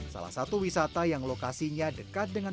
salah satu wisata yang lokasinya dekat dengan